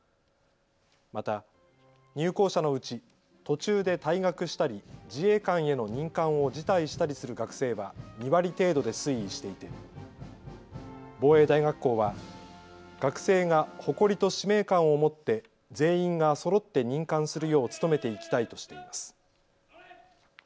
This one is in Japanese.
また入校者のうち途中で退学したり自衛官への任官を辞退したりする学生は２割程度で推移していて防衛大学校は、学生が誇りと使命感を持って全員がそろって任官するよう努めていきたいとしています。